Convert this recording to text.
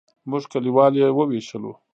موږ کلیوال یې وویشلو.